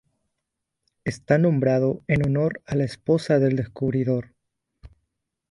Está nombrado en honor a la esposa del descubridor.